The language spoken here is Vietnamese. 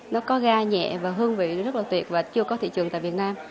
nó có ga nhẹ và hương vị rất là tuyệt và chưa có thị trường tại việt nam